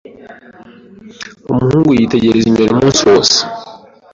Umuhungu yitegereza inyoni umunsi wose.